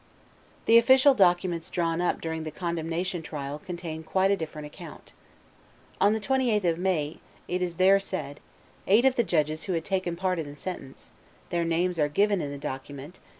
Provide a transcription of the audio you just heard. The official documents drawn up during the condemnation trial contain quite a different account. "On the 28th of May," it is there said, "eight of the judges who had taken part in the sentence [their names are given in the document, t.